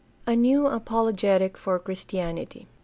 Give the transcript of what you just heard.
A new apologetic for Christianity.